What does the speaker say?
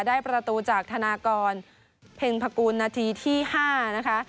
ได้ประตูจากธนากรเพ็งพกูลนาทีที่๕นะคะ